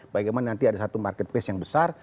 bagaimana nanti ada satu marketplace yang besar